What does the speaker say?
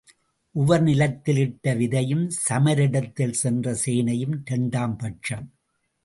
உவர் நிலத்தில் இட்ட விதையும் சமரிடத்தில் சென்ற சேனையும் இரண்டாம் பட்சம்.